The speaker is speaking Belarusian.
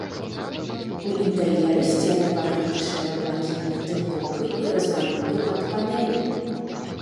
У інтэр'еры сцены пакрыты шэра-блакітнай тынкоўкай і размалёўкай пад панэлі.